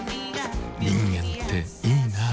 人間っていいナ。